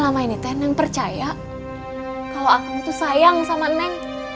sama ini teh neng percaya kalau akang tuh sayang sama eneng